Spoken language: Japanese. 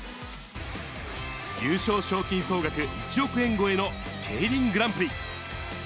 優勝賞金総額１億円超えのＫＥＩＲＩＮグランプリ。